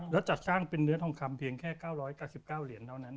แล้วจัดสร้างเป็นเนื้อทองคำเพียงแค่๙๙เหรียญเท่านั้น